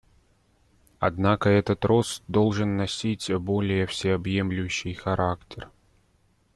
Однако этот рост должен носить более всеобъемлющий характер.